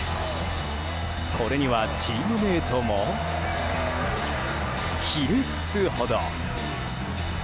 これには、チームメートもひれ伏すほど。